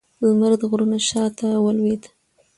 لمر د غرونو شا ته ولوېد